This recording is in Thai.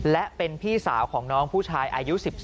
และเป็นพี่สาวของน้องผู้ชายอายุ๑๒